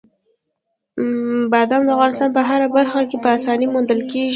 بادام د افغانستان په هره برخه کې په اسانۍ موندل کېږي.